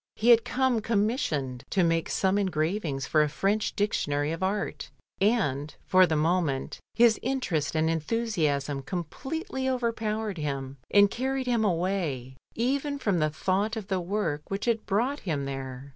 He had come commissioned to make some engravings for a French dictionary of art, and for the moment his interest and enthusiasm completely overpowered him, and carried him away, even from the thought of the work which had brought him there.